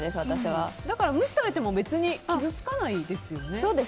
無視されても別に傷つかないですよね。